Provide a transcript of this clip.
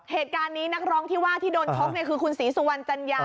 เหตุการณ์นี้นักร้องที่ว่าที่โดนชกคือคุณศรีสุวรรณจัญญา